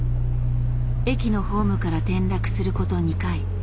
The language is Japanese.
駅のホームから転落すること２回。